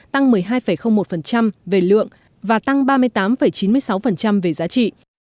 tăng một mươi hai một về lượng và tăng ba mươi tám chín mươi sáu về giá trị